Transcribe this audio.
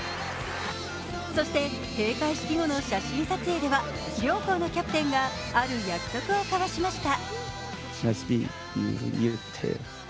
そして閉会式後の写真撮影では両校のキャプテンがある約束を交わしました。